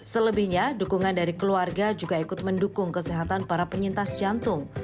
selebihnya dukungan dari keluarga juga ikut mendukung kesehatan para penyintas jantung